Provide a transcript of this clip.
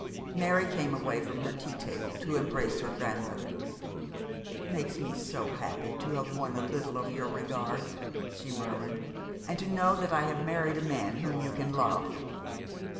Mary came away from her tea table to embrace her grandmother. 'It makes me so happy to have won a little of your regard,' she murmured, 'and to know that I have married a man whom you can love.'